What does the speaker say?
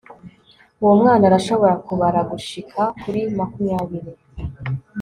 uwo mwana arashobora kubara gushika kuri makumyabiri